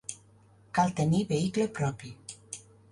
Cal tenir vehicle propi.